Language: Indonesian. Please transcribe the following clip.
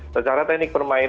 secara teknik permainan